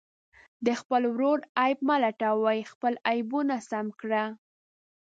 د خپل ورور عیب مه لټوئ، خپل عیبونه سم کړه.